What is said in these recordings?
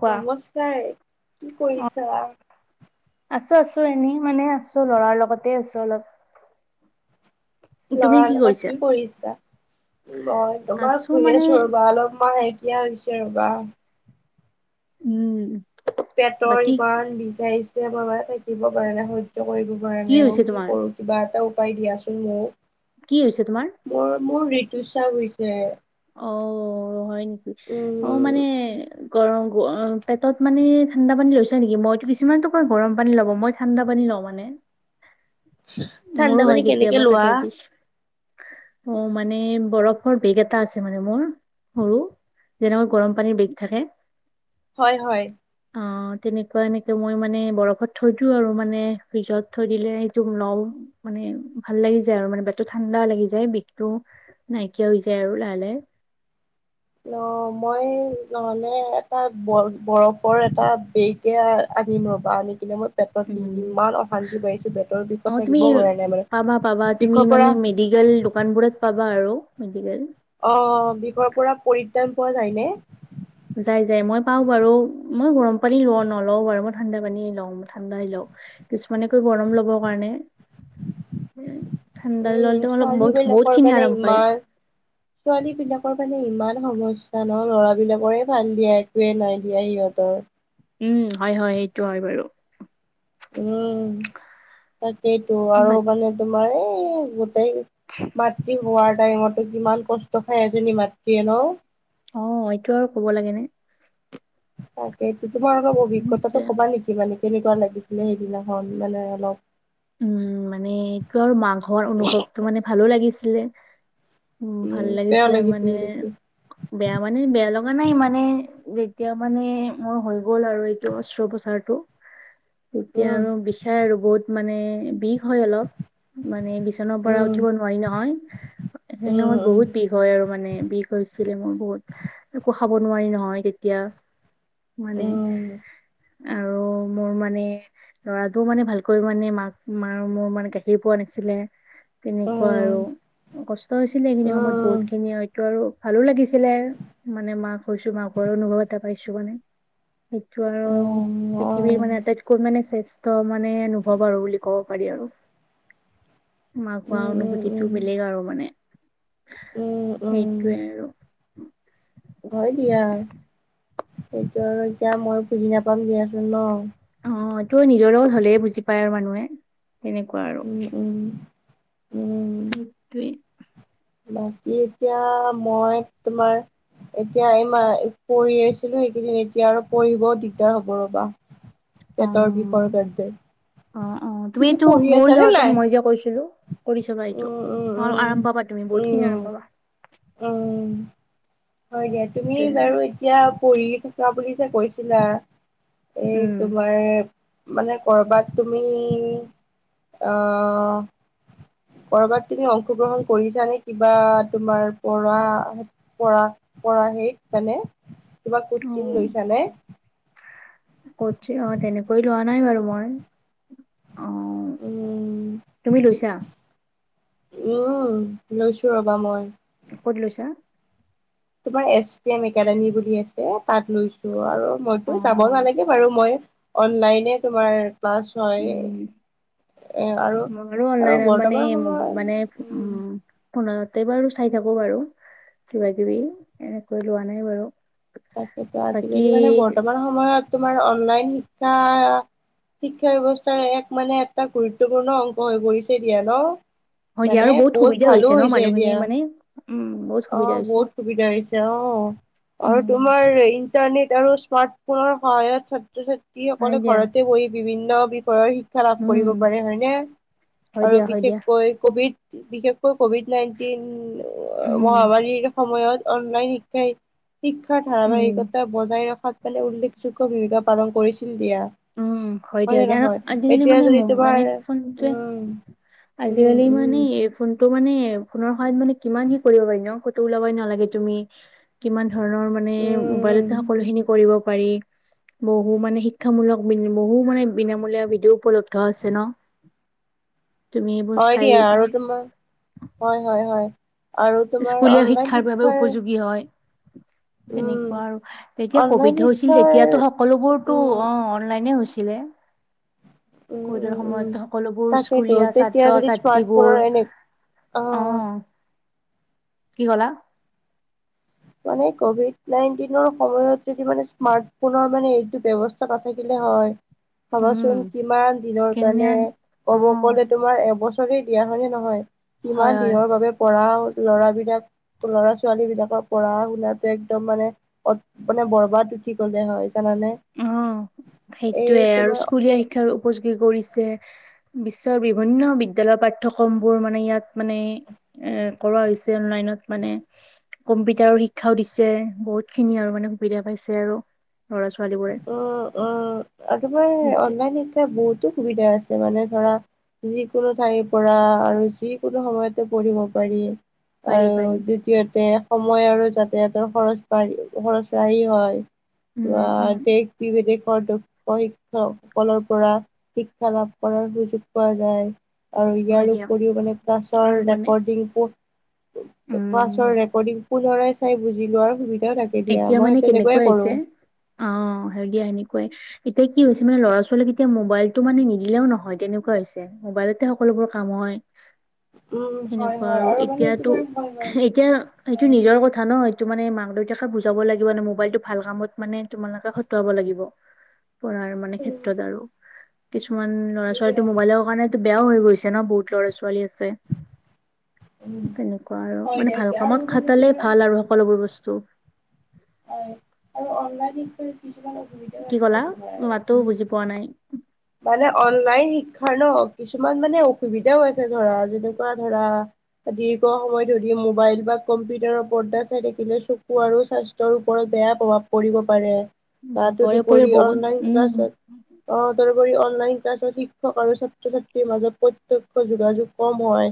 কোৱা নমস্কাৰ কি কৰিছা? আছো আছো অ' এনেই মানে আছো লৰাৰ লগতে আছো অলপ তুমি লৰাৰ লগত কৰিছা কি কৰিছা? মই তোমাৰ আছো শুই মানে আছোঁ ৰ'বা অলপমান [unintelligible] হৈছে ৰবা। উম। পেটৰ বাকী ইমান বিখায়চে বাবা দিব পৰা নাই [unintelligible] কৰিব পৰা নাই হৈছে ও কি তোমাৰ কৰো কিবা এটা উপায় দিয়াচোন মোক। কি হৈছে তোমাৰ? মোৰ মোৰ ঋতুস্ৰাৱ হৈছে। অও হয় নেকি অ' মানে উম গৰম পেটত মানে ঠাণ্ডা পানী লৈছা নেকি মইতো কিছুমানেটো কই গৰম পানী লব' মই ঠাণ্ডা পানী লও মানে মোৰো ঠাণ্ডা হয় পানী কেনেকে কেতিয়াবা লোৱা পেটৰ বিষ। অ' মানে বৰফৰ বেগ এটা আছে। মানে মোৰ সৰু যেনেকৈ গৰম পানীৰ বেগ থাকে। হয় হয়। অ' তেনেকুৱা এনেকে মই মানে বৰফত থৈ দিওঁ আৰু মানে ফ্ৰিজত থৈ দিলে সেই তোক মানে ভাল লাগি যায় আৰু পেট টু ঠাণ্ডা লাগি যায় বিষতটো নাইকিয়া হৈ যায় আৰু ভালে অ' মই নহলে এটা বৰফৰ এটা বেগ এয়া আনিম ৰবা আনি কিনে মই পেতত উম ইমান অশান্তি পাইিছো পেতৰ অ বিষত তুমি থাকিব পৰা নাই মানে বিষৰ পৰা লোকেল দোকান বোৰত পাবা আৰু মেডিকেল। অ, বিষৰ পৰা পৰিত্ৰাণ পোৱা যায় নে? যাই, যাই, মই পাও বাৰু মই গৰম পানী লওঁ নলও বাৰু মই ঠাণ্ডা পানীয়ে যে য্য লওঁ মই ঠাণ্ডা লওঁ কিছুমানেকৈ গৰম ল'ব কাৰণে ঠাণ্ডা ললে উম মলপ বু বহুত খিনি আৰাম পায় ছোৱালী বিলাকৰ মানে ইমান ইমান সমস্যা ন ল'ৰাবলাকৰে ভাল দিয়া একোৱে নাই দিয়া সিহতৰ। উম, হয হয়, এইটো হয় বাৰু। উম, তাকেইতো আৰু বাকী মানে তোমাৰ এই গো এই মাতৃ হোৱাৰ টাইমতো কিমান কষ্ট খাই এজনী মাতৃয়ে ন। অ', এইটো আৰু ক'ব লাগে নে। তাকেটো তোমাৰ অলপ সেইটোৱে। অভিজ্ঞতাটো কবা নেকি মানে কেনেকুৱা লাগিছিলে সেইদিনাখন মানে অলপ উম, মানে সেইটো আৰু মাকহৰ অনুভৱটো মানে ভালো লাগিছিলে। উম, ভাল লাগিছিলে মানে বেয়া মানে বেয়া লগা নাই মানে যেতিয়া মানে মোৰ হৈ গ'ল আৰু এইটো অস্ৰোপচাৰটো তেতিয়া উম আৰু বিষাই আৰু বহুত মানে বিষ হয় অলপ মানে বিচনাৰ পৰা উম উঠিব নোৱাৰি নহয় সেই সময়ত উম উম বহুত বিষ হয়, আৰু মানে বিষ হয় ছিলে মোৰ বহুত খাব নোৱাৰি নহয় তেতিয়া মানে উম আৰু মোৰ মানে ল'ৰাটো মানে ভাল কৈ মানে মাক মাৰ মোৰ মানে গাখীৰ পোৱা নাছিলে তেনেকুৱা আৰু উম কষ্ট হৈছিলে এইখিনি সময়ত উম, বহুত খিনি হয়তো আৰু ভালো লাগিছিলে মানে মাক হৈছো মাকৰ অনুভৱ এটা পাইছো মানে সেইটো আৰু উম, পৃথিৱীৰ উম, মানে আটাইতকৈ মানে শ্ৰেষ্ঠ মানে অনু্ভৱ আৰু বুলি ক'ব পাৰি আৰু মাক হোৱা উম, উম, উম, অনুভূতিতটো বেলেগ আৰু মানে উম, উম। সেইটোৱে আৰু হয় দিয়া, সেইটো আৰু এতিয়া মই বুজি নাপাম দিয়াচোন ন অ, এইটো নিজৰও হলে বুজি পায় আৰু মানুহে তেনেকুৱা আৰু উম, উম, উম, ত বাকী এতিয়া মই তোমাৰ এতিয়া এইমা পঢ়ি আছিলো সেইকেইদিন এতিয়া অ পেটৰ বিপৰতে অ, অ, তুমি এইটো কৰি চাবা নাই? পাচত মই যে কৈছিলো কৰি চাবা এইটো উম, উম, অ, উম। আৰম পাবা তুমি বহুত খিনি আৰম পাবা। উ, হয়, দিয়া তুমি বাৰু এতিয়া পঢ়ি থকা বুলি কৈছিলা এই উম তোমাৰ মানে কৰ'বাত তুমি অহ, কৰবাত তুমি অংশগ্ৰহণ কৰিছানে কিবা তোমাৰ পৰা পৰা পৰা সেইত মানে কিবা কোচিং অ লৈছ নে? কচিং অ তেনেকৈ লোৱা নাই বাৰু মই অ, উম তুমি লৈছা? উম, লৈছো ৰবা মই। কত লৈছা? তোমাৰ এছ পি এম একাডেমি বুলি আছে তাত লৈছো। আৰু অ মইতো যাব নালাগে বাৰু মই অনলাইনে তোমাৰ প্লাছ হয়। মই, আৰু অনলাইন মানে বৰ্তমান সময়ত মানে উ, উম চাই থাকো বাৰু কিবা কিবি, এনেকৈ লোৱা নাই বাৰু। তাকেতো, বাকী আজিকালি মানে বৰ্তমান সময়ত তোমাৰ অনলাইন শিক্ষা শিক্ষা ব্যৱস্থাৰ এক মানে এটা গুৰুত্বপূৰ্ণ অংশ হৈ পৰিছে দিয়া ন। হয় দিয়া আৰু মানে বহুত সুবিধা ভালো ন হৈছে এতিয়া। মানুহখিনিৰ মানে উম বহুত সুবিধা অ', হৈছে বহুত সুবিধা হৈছে অ, আৰু উম তোমাৰ ইণ্টাৰনেট আৰু স্মাৰ্ট ফোনৰ সহায়ত ছাত্ৰ হয় ছাত্ৰীসকলে দিয়া ঘৰতে বহি বিভিন্ন বিষয়ৰ শি শিক্ষা লাভ উম কৰিব পাৰে হয়নে? হয় দিয়া আৰু হয় দিয়া বিশেষকৈ কভিড বিশেষকৈ কভিড নাইনটিন উম মহামাৰীৰ সময়ত অনলাইন শিক্ষাই শিক্ষাৰ উম ধাৰাবাহিকতা বজাই ৰখাত ফালে উল্লেখযোগ্য ভূমিকা পালন কৰিছিল দিয়া। উম, হয় দিয়া নে দে, নহয় আজিকালি এতিয়া মানে যদি মানে তোমাৰ ফোনটোৱে উম উম আজিকালি উম মানে এয়াৰ ফোনতটো মানে ফোনৰ সহায়ত মানে কিমান কি কৰিব পাৰি ন, কটো উওলাব নালাগে তুমি কিমান ধৰণৰ মানে উম মোবাইলতে সকলো খিনি কৰিব পাৰি, বহু মানে শিক মূলক বহু মানে বিনামূলীয়া ভিডিঅ উপলব্ধ আছে ন। তুমি এইবোৰ হয় চাই দিয়া আৰু তোমাৰ, হয় হয় হয়। আৰু তোমাৰ স্কুলীয়া অনলাইন শিক্ষাৰ বাবে উপযোগী হয়। উম তেনেকুৱা আৰু। যেতিয়া অনলাইন কভিড হৈছিল, শিক্ষাৰ তেতিয়াতো সকলোবোৰতো উম অ অনলাইনে হৈছিল। কিলে। উম উম কভিডৰ উম সময়তটো সকলোবোৰ তাকেইতো স্কুলীয়া ছাত্ৰ ছাত্ৰীবোৰ অ অহ। কি ক'লা? মানে কভিড নাইনটিনৰ সময়ত যদি মানে স্মাৰ্ট ফোনৰ মানে এইটো ব্যৱস্থা নাথাকিলে হয়। উম ভাবাচোন কিমান দিনৰ কেনে কাৰণে, অ ক'ব গলে তোমাৰ এবছৰ দিয়া হয় নে নহয়? হয় কিমান হয় দিনৰ বাবে পঢ়া ল'ৰা বিলাক, ল'ৰা ছোৱালী বিলাকক পঢ়া শুনাতটো একদম মানে, মানে বৰবাদ উঠি গ'লে হয়। জানানে? অ', এই সেইটোয়েই, আৰু তোমাৰ স্কুলীয়া শিক্ষাৰ উপযোগী কৰিছে। বিশ্বৰ বিভিন্ন বিদ্যালয়ৰ পাঠ্যক্ৰম বোৰ মানে ইয়াত মানে এ কৰোৱা হৈছিল অনলাইনত। মানে কম্পিউটাৰৰ শিক্ষাও দিছে, বহুত খিনি আৰু মানে সুবিধা পাইছে আৰু, ল'ৰা ছো অহ, অ আপোনাৰ অনলাইন শিক্ষা বহু সুবিধা আছে মানে ধৰা যিকোনো ঠাইৰ পৰা আৰু যিকোনো সময়তে পঢ়িব পাৰি। পাৰি আৰু পাৰি দ্বিতীয়তে, সময় আৰু যাতায়াতৰ খৰচ বাঢ়ি খৰচ ৰাহি হয় উম বা উম দেশ বিদেশৰ দক্ষ শিক্ষকসকলৰ পৰা শিক্ষা লাভ কৰাৰ সুযোগ পোৱা যায়। আৰু হয় ইয়াৰ দিয়া উপৰিও মানে আৰু ক্লাছৰ মানে ৰেকৰ্ডিং টো উম ক্লাছৰ ৰেকৰ্ডিং পুনৰাই চাই বুজি লোৱাৰ সুবিধা এতিয়া মানে কেনেকুৱা হৈছে, অহ। হয়, দিয়া এনেকুৱাই। এতিয়া কি হৈছে মানে লৰা ছোৱালীক এতিয়া মোবাইলটো মানে নিদিলেও নহয়, তেনেকুৱা হৈছে। মবাইলতে সকলোবোৰ কাম হয়। উম হয় সেনেকুৱা হয় আৰু। মানে এতিয়াতো, তোমাৰ হয় হয় এতিয়া সেইটো হয় নিজৰ কথা ন। মানে মাক দেউতাকে বুজাব লাগিব ন মোবাইলটো ভাল কামত মানে তোমালোকে খটুৱাব লাগিব। পঢ়াৰ মানে উম, ক্ষেত্ৰত আৰু, কিছুমান ল'ৰা হয় ছোৱালীটো দিয়া মোবাইলৰ কাৰণে বেয়াও হৈ গৈছে ন বহুত ল'ৰা ছোৱালী আছে। উম তেনেকুৱা আৰু হয় মানে ভাল দিয়া আৰু কামত মানে খাটালে তোমাৰ ভাল আৰু সকলোবোৰ বস্তু। হয়, আৰু অনলাইন শিক্ষা কি? কি ক'লা? মাততো বুজি পোৱা নাই। মানে অনলাইন শিক্ষাৰ ন কিছুমান মানে অসুবিধাও আছে ধৰা যেনেকুৱা ধৰা দীৰ্ঘ সময় ধৰি মোবাইল বা কম্পিউটাৰৰ পৰ্দা চাই থাকিলে চকু আৰু স্বাস্থ্যৰ ওপৰত বেয়া প্ৰভাৱ পৰিব পাৰে উম তাতো পৰে পৰে দুপৰি বহুত অনলাইন উম ক্লাছত অ অনলাইন ক্লাছত শিক্ষক আৰু ছাত্ৰ ছাত্ৰীৰ মাজত প্ৰত্যক্ষ যোগাযোগ কম হয়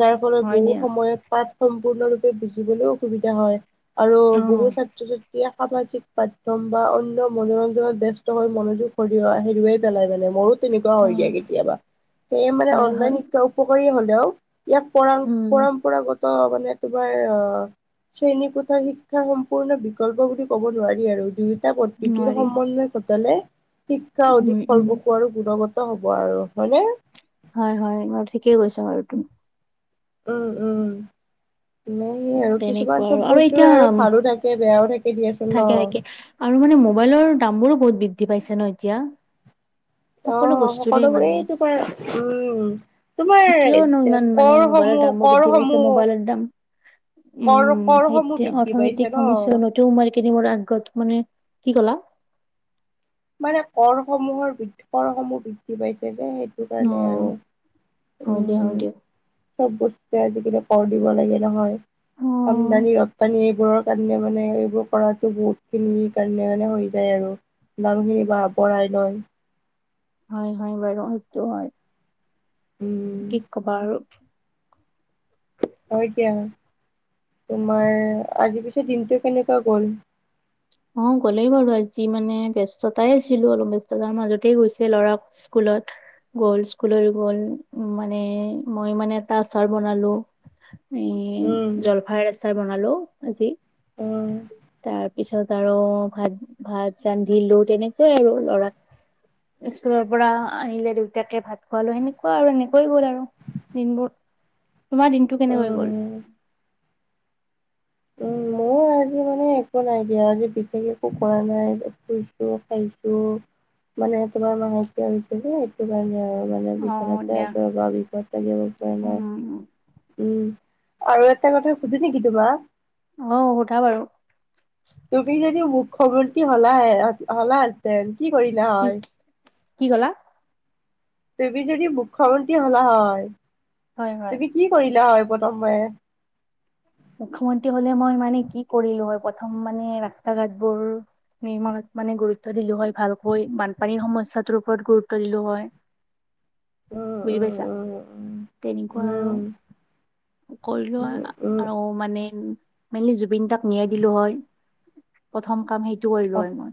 যাৰ ফলত হয় বহু দিয়া সময়ত পাঠ সম্পূৰ্ণৰূপে বুজিবলৈও অসুবিধা হয় আৰু অ বহু ছাত্ৰ ছাত্ৰী সামাজিক মাধ্যম বা অন্যান্য মনোৰঞ্জনত ব্যস্ত হৈ মনোযোগ হেৰুৱা হেৰুৱাই পেলাই মানে মোৰো তেনেকুৱা অ হৈ দিয়া কেতিয়াবা সেয়ে মানে হয় হয় অনলাইন শিক্ষা উপকাৰী হলেও ইয়াক পৰাম উম পৰম্পৰাগত মানে তোমাৰ আহ শ্ৰেণীকোঠা শিক্ষা সম্পূৰ্ণ বিকল্প বুলি ক'ব নোৱাৰি আৰু দুই এটা প্ৰদ্ধৃতিৰ নোৱাৰি সমন্বয় ঘটালে শিক্ষা উম অধিক উম ফলপ্ৰস আৰু গুণগত হ'ব আৰু হয়নে হয় হয় তো উম উম এনে সে আৰু তেনেকুৱা কিছুমান আৰু চব বস্তুে এতিয়া আৰু ভালো থাকে বেয়াও থাকে দিয়া চো থাকে থাকে আৰু মানে মোবাইলৰ দামবোৰো বহুত বৃদ্ধি পাইছে ন এতিয়া অ সকলো বস্তুৰে মানে সকলোবোৰেই তোমাৰ উম কিয় নো তোমাৰ ইমান মানে কৰ মোবাইলৰ সমূহ দামো বৃদ্ধি পাইছে মবাইলৰ দাম কৰ উম কৰসমূহ সেইটোৱে বৃদ্ধি পাইছে অৰ্থনৈতিক ন। সমস্যা নতুন কেইদিনমান আগত মানে কি কলা মানে কৰ সমূহৰ বৃদ্ধ সমূহ বৃদ্ধি পাইছে সেইটো অ কাৰণে আৰু হয় দিয়া হয় উম দিয়া চব বস্তুয়ে আজিকালি কৰ দিব লাগে নহয় অ আমদানি ৰপ্তানি বোৰৰ কাৰণে মানে এইবোৰ কৰাতো বহুত খিনিৰ কাৰণে মানে হৈ যায় আৰু মানুহখিনিৰ পৰা পঢ়াই নহয় হয় হয় বাৰু সেইটো হয় উম, কি ক'বা আৰু হয় দিয়া তোমাৰ আজি পিছত দিনটো কেনেকুৱা গল অ গ'লেই বাৰু আজি মানে ব্যস্ততাই আছিলো অলপ ব্যস্ততাৰ মাজতে গৈছে ল'ৰাক স্কুল ত গ'ল স্কুলত গল উ মানে মই মানে এটা আচাৰ বনালো এ উম, জলফাই আচাৰ বনালো আজি উম। তাৰ পিছত আৰু ভাত ভাত ৰান্ধিলো তেনেকৈ আৰু লৰাক স্কুলৰ পৰা আহিলে দেউতাকে ভাত খোৱালো সেনেকুৱা আৰু সেনেকৈ গ'ল আৰু দিনবোৰ তোমাৰ দিনটো কেনেকে উম, গল উম, মোৰ [unintelligible] মানে একো নাই দিয়া যে বিশেষ একো কৰা নাই শুইছো খাইছো মানে তোমাৰ [unintelligible] আনিছিলো তোমাৰ [unintelligible] অ বিচনাত পৰি দিয়া আছে গা বিষত থাকিব পৰা নাই উম উম আৰু এটা কথা সুধো নিকি তোমাক অহ সোধা বাৰু সৰুৰ কি হলা হল হলা আছে কি কৰিলা কি হয় কি ক'লা তুমি যদি মুখ্যমন্ত্ৰী হলা হয় হয় হয় তুমি কি কৰিলা হয় গতম মই মুখ্যমন্ত্ৰী হলে মই মানে কি কৰিলো হয় প্ৰথম মানে ৰাস্তা ঘাটবোৰ নিৰ্মাণত মানে গুৰুত্ব দিলো হয় ভালকৈ বানপানীৰ সমস্যাটোৰ ওপৰত গুৰুত্ব দিলো হয় উম, [inaudible] বুজি উম, পাইছা উম, তেনেকুৱা আৰু উম, কৰিলো উম, আ উম, আৰু মানে মেইনলি জুবিন দাক ন্যাই দিলো হয় প্ৰথম কাম সেই কৰিলো আপ হয় মই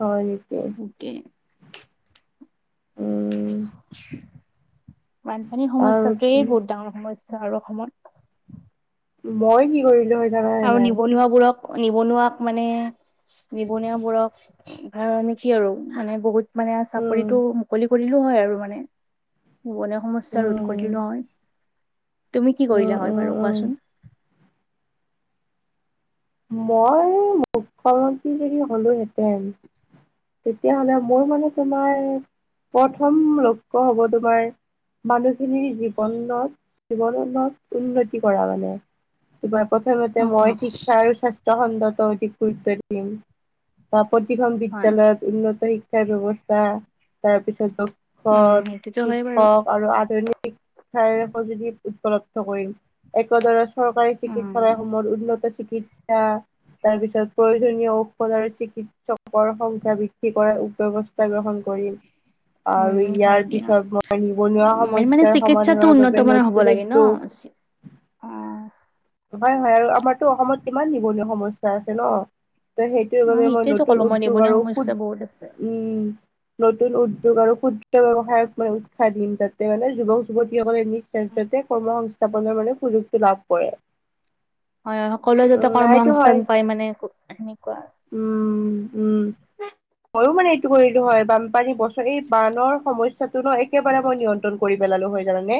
হয় নিকি সেইটোৱে, উম। বানপানীৰ আৰু সমস্যাকে বহুত ডাঙৰ সমস্যা আৰু অসমত মই কি কৰিলো হয় জানানে আৰু নাই? নিবনুৱাবোৰক নিবনুৱাক মানে নিবনুৱাবোৰক ভাল নেকি আৰু মানে বহুত মানে উম, চাকৰিটো মুকলি কৰিলো হয় আৰু মানে নিবনুৱা সমস্যা ৰোধ কৰি উম, দিলো হয় তুমি কি উম, কৰিলা হয় বাৰু উম, উম। কোৱাচোন মই মুখ্যমন্ত্ৰী যদি হ'লোহেঁতেন তেতিয়াহ'লে মোৰ মানে তোমাৰ প্ৰথম লক্ষ্য হব তোমাৰ মানুহখিনিৰ জীৱনত জীৱনত উন্নতি কৰা মানে কিবা প্ৰথমতে মই অ', শিক্ষা আৰু স্বাস্থ্য খণ্ডত অধিক গুৰুত্ব দিম প্ৰতিখন হয়, বিদ্যালয়ত উন্নত শিক্ষাৰ ব্যৱস্থা তাৰপিছত উম, সেইটোতো শিক হয় বাৰু শিক্ষক আৰু আধুনিক শিক্ষাৰ সঁজুলি উপলব্ধ কৰিল একদৰে চৰকাৰী উম, চিকিৎসালয়সমূহত উন্নত চিকিৎসা তাৰ পিছত প্ৰয়োজনীয় ঔষধ আৰু চিকিৎসকৰ সংখ্যা বৃদ্ধি কৰাৰ ব্যৱস্থা গ্ৰহণ ক কৰি আৰু উম, হয় ইয়াৰ দিয়া। পিছত মই নিবনুৱা মেইন মানে সমস্যাৰ চিকিৎসাটো সমাধানৰ উন্নত বাবে মানৰ হ'ব নতুন লাগে ন? উদ্যোগ অ হয় হয় আৰু আমাৰতো অসমত কিমান নিবনুৱা সমস্যা আছে ন ত সেইটোৰ অ', বাবে মই সেইটোয়েতো নতুন ক'লো মই উদ্যোগ নিবনুৱা আৰু সুদ সমস্যা বহুত আছে। উম নতুন উদ্যোগ আৰু ক্ষুদ্ৰ ব্যৱসায়ক মই উৎসাহ দিম যাতে মানে যুৱক যুৱতীসকলে নি কৰ্ম সংস্থাপনৰ বাবে সুযোগটো লাভ কৰে হয় হয় সকলোৱে যাতে উম কৰ্ম সেইটো হয় সংস্থান পায় মানে সেনেকুৱা উম উম মইয়ো মানে কৰিলো হয় বানপানী বছৰ এই বানৰ সমস্যাটো ন একেবাৰে মই নিয়ন্ত্ৰণ কৰি পেলালো হয় জানানে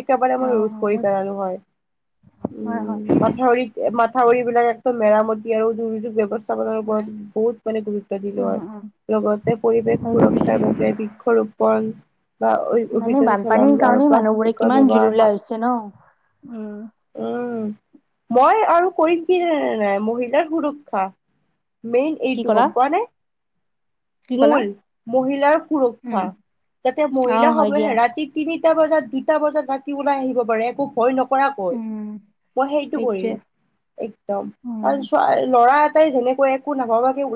একেবাৰে মই ৰোধ কৰি অ', পেলানো হয় হয়, হয়, উম মাথাউৰি মাথাউৰি বিলাক একদম মেৰামতি আৰু দুৰ্যোগ ব্যৱস্থা বহুত মানে গুৰুত্ব দিলো অ', হয় অ', অ', লগতে পৰিৱেশ সুৰক্ষাৰ বাবে বৃক্ষ ৰোপণ মানে বানপানীৰ কাৰণে মানুহবোৰে প্লাষ্টিকৰ কিমান ব্যৱহাৰ জুৰুললা হ্ৰাস হৈছে ন উম উম মই আৰু কৰিম কি নাই মহিলাৰ সুৰক্ষা মেইন কি এইটো ক'লা? গম পোৱা নাই কি ক'লা? মূল মহিলাৰ সুৰক্ষা উম, যাতে অ', হয় দিয়া, মহিলাসমূহে ৰাতি তিনি টা বজাত দুটা বজাত ৰাতি ওলাই আহিব পাৰে একো ভয় নকৰাকৈ উম, মই সেই সেইটোৱে কৰিম একদম উম, আৰু ল'ৰা এটাই যেনেকৈ একো নাভাবাকে